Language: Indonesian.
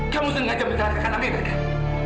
kamu sengaja menjelakakan amirah kan